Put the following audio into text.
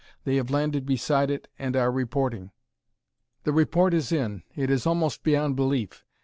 They have landed beside it and are reporting.... "The report is in; it is almost beyond belief.